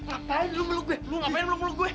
apaan lu meluk gue lu ngapain meluk meluk gue